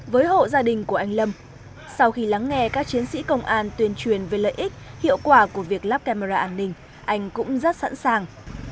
với hộ gia đình của anh lâm sau khi lắng nghe các chiến sĩ công an tuyên truyền về lợi ích hiệu quả của việc lắp camera an ninh anh cũng rất sẵn sàng